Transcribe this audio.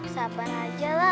sabar aja lah